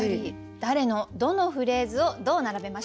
誰のどのフレーズをどう並べましょうか？